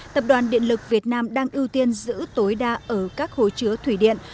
tập đoàn điện lực việt nam đang ưu tiên giữ tối đa ở các hối chứa thủy điện